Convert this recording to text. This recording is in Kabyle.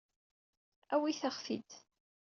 Awit-aɣ-t-id.